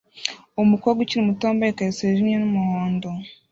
Umukobwa ukiri muto wambaye ikariso yijimye n'umuhondo